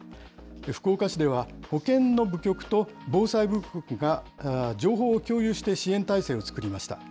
福岡市では、保健の部局と防災部局が情報を共有して支援体制を作りました。